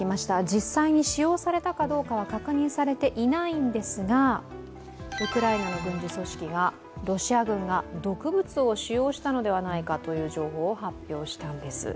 実際に使用されたかどうかは確認されていないんですが、ウクライナの軍事組織がロシア軍が毒物を使用したのではないかと発表したんです。